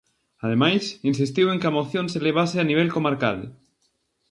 Ademais, insistiu en que a moción se levase a nivel comarcal.